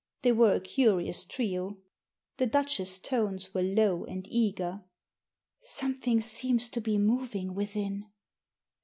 They were a curious trio. The Duchess's tones were low and eager. " Something seems to be moving within."